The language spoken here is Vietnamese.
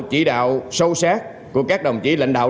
chỉ đạo sâu sát của các đồng chí lãnh đạo